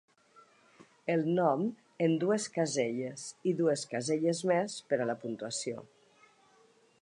El nom en dues caselles i dues caselles més per a la puntuació.